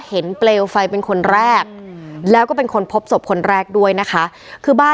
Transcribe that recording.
เปลวไฟเป็นคนแรกแล้วก็เป็นคนพบศพคนแรกด้วยนะคะคือบ้าน